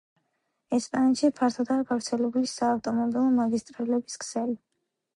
ესპანეთში ფართოდაა გავრცელებული საავტომობილო მაგისტრალების ქსელი